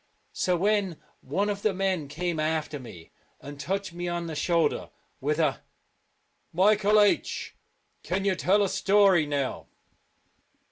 So when one of the Drumchff and Rosses, men came after me and touched me on the shoulder, with a " Michael H , can you tell a story now